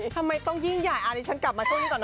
ทำไมต้องยิ่งใหญ่อันนี้ฉันกลับมาช่วงนี้ก่อนนะ